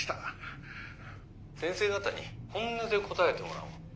「先生方に本音で答えてもらおう。